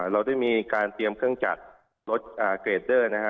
เราได้มีการเตรียมเครื่องจักรรถเกรดเดอร์นะฮะ